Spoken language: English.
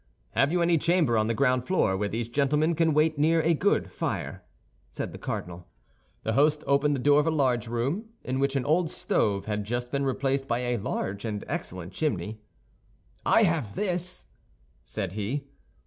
"Have you any chamber on the ground floor where these gentlemen can wait near a good fire?" said the cardinal. The host opened the door of a large room, in which an old stove had just been replaced by a large and excellent chimney. "I have this," said he.